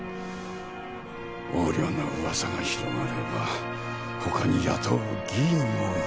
横領のうわさが広まれば他に雇う議員もいない。